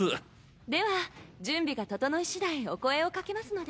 では準備が整い次第お声をかけますので。